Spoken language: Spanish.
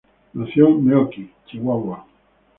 Nació en Meoqui, Chihuahua.